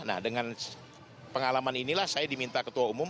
nah dengan pengalaman inilah saya diminta ketua umum